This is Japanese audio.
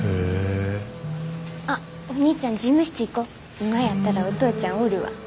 今やったらお父ちゃんおるわ。